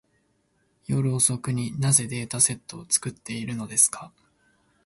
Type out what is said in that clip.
夜遅くに、なぜデータセットを作っているのですか。